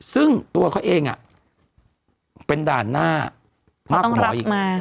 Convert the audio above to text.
ซึ่งตัวเขาเองเป็นด่านหน้ามากกว่าหมออีก